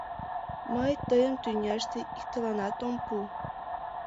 Мый тыйым тӱняште иктыланат ом пу!